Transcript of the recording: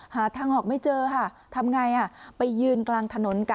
หาทางออกไม่เจอค่ะทำไงไปยืนกลางถนนกัน